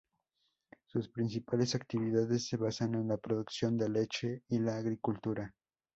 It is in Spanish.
Su principales actividades se basan en la producción de leche y la agricultura.